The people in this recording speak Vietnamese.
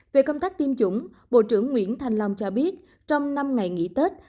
về công tác tiêm chủng bộ trưởng nguyễn thanh long cho biết trong năm ngày nghỉ tết